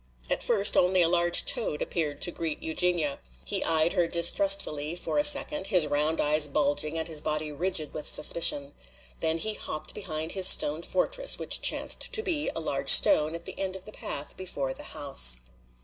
At first only a large toad appeared to greet Eugenia. He eyed her distrustfully for a second, his round eyes bulging and his body rigid with suspicion. Then he hopped behind his stone fortress, which chanced to be a large stone at the end of the path before the house.